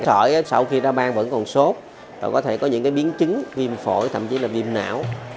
sởi sau khi ra ban vẫn còn sốt có thể có những biến chứng viêm phổi thậm chí là viêm não